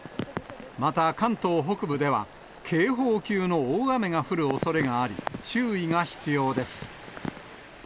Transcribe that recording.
また、関東北部では警報級の大雨が降るおそれがあり、注意が必要です。